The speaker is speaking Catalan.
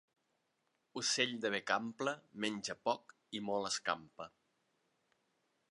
Ocell de bec ample menja poc i molt escampa.